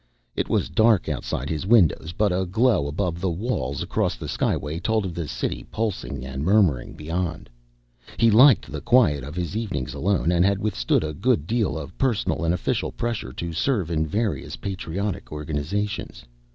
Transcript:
It was dark outside his windows, but a glow above the walls across the skyway told of the city pulsing and murmuring beyond. He liked the quiet of his evenings alone and had withstood a good deal of personal and official pressure to serve in various patriotic organizations.